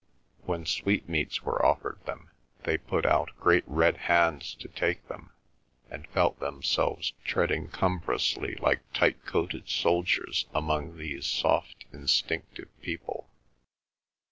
When sweetmeats were offered them, they put out great red hands to take them, and felt themselves treading cumbrously like tight coated soldiers among these soft instinctive people.